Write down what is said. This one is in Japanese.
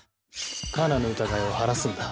カナの疑いを晴らすんだ。